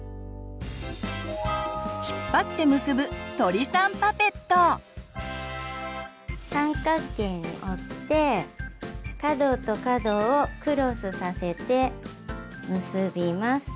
引っ張って三角形に折って角と角をクロスさせて結びます。